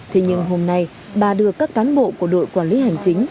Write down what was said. thế nhưng hôm nay bà đưa các cán bộ của đội quản lý hành chính